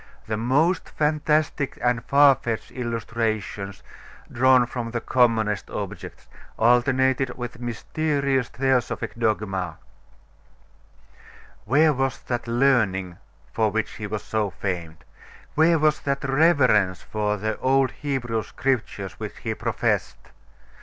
The most fantastic and far fetched illustrations, drawn from the commonest objects, alternated with mysterious theosophic dogma. Where was that learning for which he was so famed? Where was that reverence for the old Hebrew Scriptures which he professed?